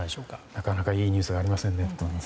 なかなかいいニュースがありませんね。